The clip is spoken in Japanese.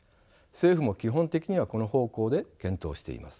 政府も基本的にはこの方向で検討しています。